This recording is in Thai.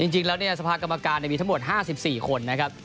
จริงแล้วสภากรรมการมีทั้งหมด๕๔คนนะครับ